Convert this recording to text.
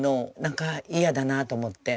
なんか嫌だなと思って。